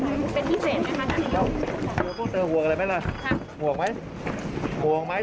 ถามท่านเนี่ยเจ้าห่วงอะไรค่ะถามท่านนี้ยกค่ะพันใจ